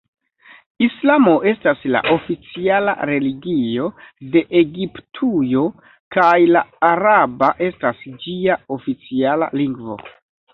Islamo estas la oficiala religio de Egiptujo kaj la araba estas ĝia oficiala lingvo.